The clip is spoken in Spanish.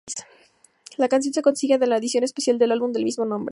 La canción se consigue en la edición especial del álbum del mismo nombre.